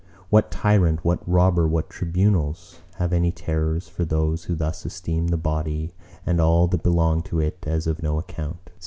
What tyrant, what robber, what tribunals have any terrors for those who thus esteem the body and all that belong to it as of no account?